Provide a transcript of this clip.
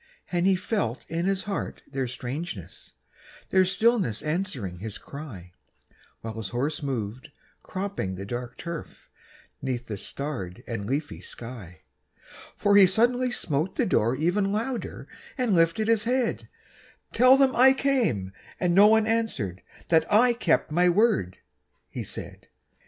And he felt in his heart their strangeness, Their stillness answering his cry, While his horse moved, cropping the dark turf, 'Neath the starred and leafy sky; For he suddenly smote the door, even Louder, and lifted his head: "Tell them I came, and no one answered, That I kept my word," he said.